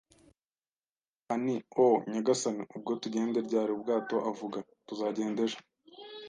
Ndataka nti: “Oh, nyagasani, ubwo tugenda ryari?” “Ubwato!” avuga. “Tuzagenda ejo!”